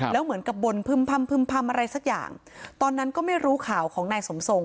แล้วเหมือนกับบนพึ่มพำพึ่มพำอะไรสักอย่างตอนนั้นก็ไม่รู้ข่าวของนายสมทรง